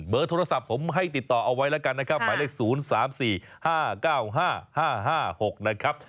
โทรศัพท์ผมให้ติดต่อเอาไว้แล้วกันนะครับหมายเลข๐๓๔๕๙๕๕๖นะครับ